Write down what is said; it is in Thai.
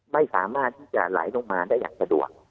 ไม่สามารถที่จะไหลลงมาได้อย่างสะดวก